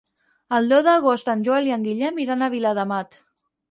El deu d'agost en Joel i en Guillem iran a Viladamat.